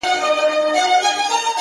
يو يمه خو ـ